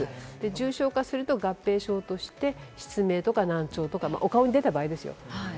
重症化すると合併症として失明とか難聴とか、お顔に出た場合ですよ。